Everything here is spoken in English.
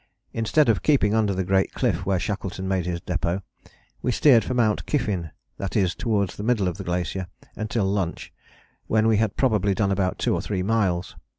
Instead of keeping under the great cliff where Shackleton made his depôt, we steered for Mount Kyffin, that is towards the middle of the glacier, until lunch, when we had probably done about two or three miles.